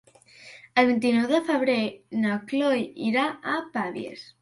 El vint-i-nou de febrer na Cloè irà a Pavies.